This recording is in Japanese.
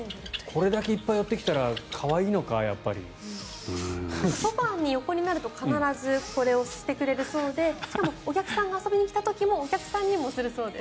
これだけ寄ってきたらソファに横になると必ずこれをしてくれるそうでしかもお客さんが遊びに来てくれた時もお客さんにもするそうです。